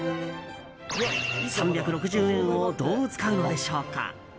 ３６０円をどう使うのでしょうか。